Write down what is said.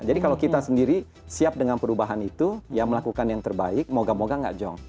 jadi kalau kita sendiri siap dengan perubahan itu ya melakukan yang terbaik moga moga nggak zong